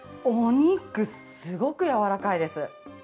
お肉、すごくやわらかいです。